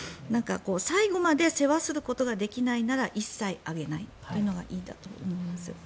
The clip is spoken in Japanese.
最後まで世話することができないなら一切あげないというのがいいんだと思います。